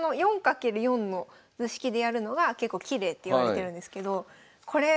４×４の図式でやるのが結構きれいっていわれてるんですけどこれ。